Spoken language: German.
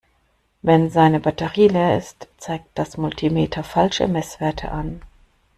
Wenn seine Batterie leer ist, zeigt das Multimeter falsche Messwerte an.